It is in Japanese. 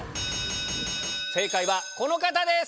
正解はこの方です！